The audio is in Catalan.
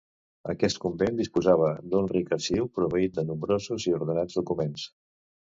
Aquest convent disposava d'un ric arxiu, proveït de nombrosos i ordenats documents.